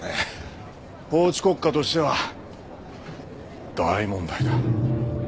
法治国家としては大問題だ。